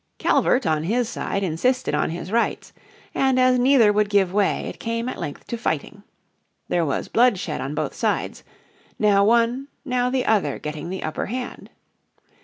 Calvert on his side insisted on his rights, and as neither would give way it came at length to fighting. There was bloodshed on both sides, now one, now the other getting the upper hand.